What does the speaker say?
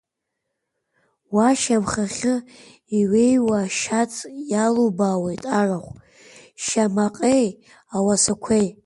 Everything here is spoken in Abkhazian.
Уа шьамхахьы иҩеиуа ашьац иалубаауеит арахә, ашьамаҟеи ауасақәеи.